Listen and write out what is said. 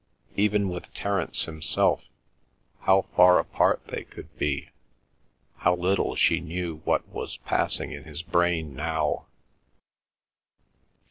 Even with Terence himself—how far apart they could be, how little she knew what was passing in his brain now!